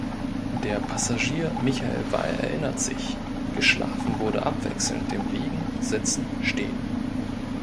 Der Passagier Michael Weill erinnert sich: „Geschlafen wurde abwechselnd im Liegen, Sitzen, Stehen.